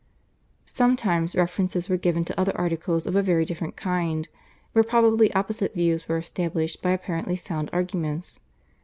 Sometimes references were given to other articles of a very different kind, where probably opposite views were established by apparently sound arguments.